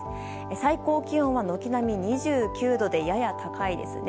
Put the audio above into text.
最高気温は軒並み２９度でやや高いですね。